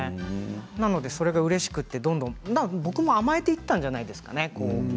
なので、それがうれしくてどんどん、僕も甘えていったんじゃないですかね。